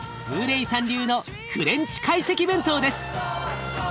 ブーレイさん流のフレンチ懐石弁当です。